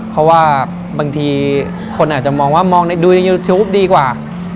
เพราะว่าบางทีคนอาจจะมองว่ามองในดูในยูทูปดีกว่า